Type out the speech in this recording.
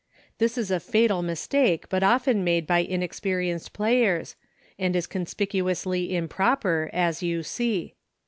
This is a fatal mistake but often made by inexperienced players, and is conspicuously improper, as you see.